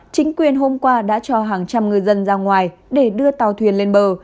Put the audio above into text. chính quyền hôm qua đã cho hàng trăm người dân ra ngoài để đưa tàu thuyền lên bờ